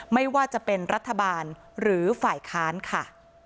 ไม่ว่าจะเป็นรัฐบาลหรือฝ่ายค้านค่ะ